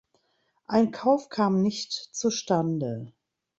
Ein Kauf kam nicht zustande.